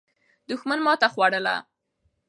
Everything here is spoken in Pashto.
دښمن ماته خوړله.